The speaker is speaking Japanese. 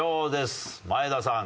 前田さん